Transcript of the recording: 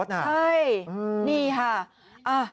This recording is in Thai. ใช่นี่ค่ะ